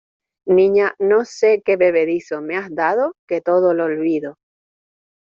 niña, no sé qué bebedizo me has dado que todo lo olvido...